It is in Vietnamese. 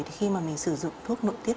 thì khi mà mình sử dụng thuốc nội tiết